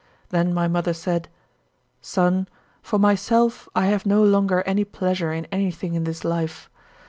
Then my mother said: "Son, for myself I have no longer any pleasure in anything in this life.